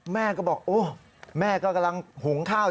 แม่ก็บอกโอ้แม่ก็กำลังหุงข้าว